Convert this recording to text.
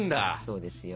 そうですよ。